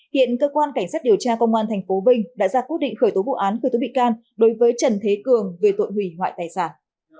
hiện cơ quan cảnh sát điều tra công an tp vinh đã ra quyết định khởi tố vụ án khởi tố bị can đối với trần thế cường về tội hủy hoại tài sản